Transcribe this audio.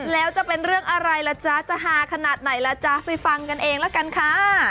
แล้วจะเป็นเรื่องอะไรล่ะจ๊ะจะฮาขนาดไหนล่ะจ๊ะไปฟังกันเองละกันค่ะ